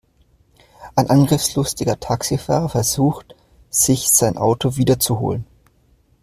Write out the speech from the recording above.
Ein angriffslustiger Taxifahrer versucht, sich sein Auto wiederzuholen.